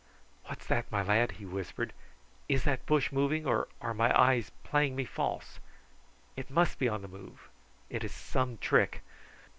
"What's that, my lad?" he whispered; "is that bush moving, or are my eyes playing me false. It must be on the move. It is some trick.